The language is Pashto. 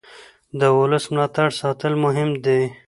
د ولس ملاتړ ساتل مهم دي